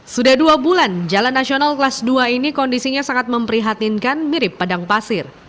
sudah dua bulan jalan nasional kelas dua ini kondisinya sangat memprihatinkan mirip padang pasir